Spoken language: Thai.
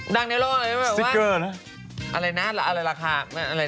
ดังในโลกอะไรแบบว่าสิกเกอร์นะอะไรน่ะอะไรราคาอะไรน่ะอะไร